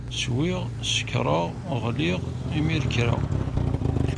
Swiɣ, sekṛeɣ, ɣliɣ, imir kreɣ.